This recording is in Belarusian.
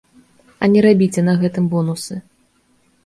А не рабіце на гэтым бонусы.